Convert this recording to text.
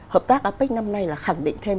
hợp tác apec năm nay là khẳng định thêm